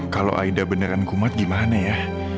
kalau aida beneran kumat gimana ya